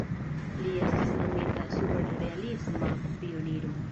Li estis nomita "superrealisma pioniro".